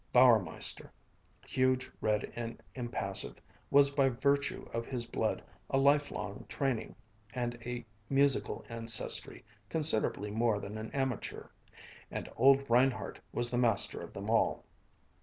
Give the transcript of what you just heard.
Bauermeister, huge, red, and impassive, was by virtue of his blood, a lifelong training, and a musical ancestry, considerably more than an amateur; and old Reinhardt was the master of them all.